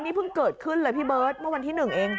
นี่เพิ่งเกิดขึ้นเลยพี่เบิร์ตเมื่อวันที่๑เอง